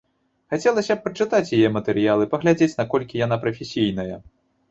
Хацелася б пачытаць яе матэрыялы, паглядзець наколькі яна прафесійная.